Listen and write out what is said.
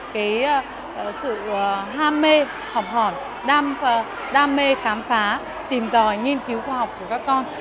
cái sự ham mê học hỏi đam mê khám phá tìm tòi nghiên cứu khoa học của các con